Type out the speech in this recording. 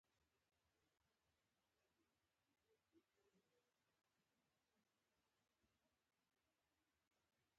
د علي پښې د ګور تر غاړې رسېدلې دي، خو بیا هم دروغ وايي.